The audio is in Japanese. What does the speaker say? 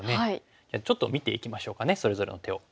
じゃあちょっと見ていきましょうかねそれぞれの手を。